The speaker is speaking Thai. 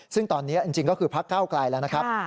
ซึ่งตอนนี้จริงก็คือพักเก้าไกลแล้วนะครับ